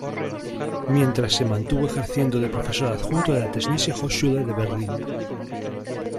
Mientras se mantuvo ejerciendo de profesor adjunto de la Technische Hochschule de Berlin.